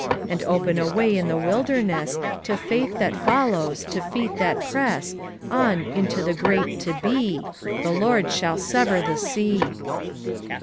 And open a way in the wilderness To faith that follows, to feet that press On, into the great TO BE 1 The Lord shall sever the sea."